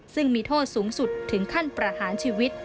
ซึ่งมีโทษสูงสุดถึงขั้นประหารชีวิต